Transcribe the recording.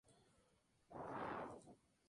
Cordero es doctor de Jurisprudencia.